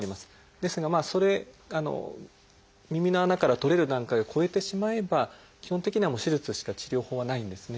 ですがそれ耳の穴から取れる段階を超えてしまえば基本的にはもう手術しか治療法はないんですね。